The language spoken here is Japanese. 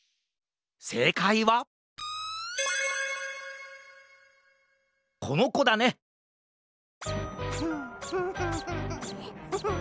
せいかいはこのこだねフッフフフフフフッ。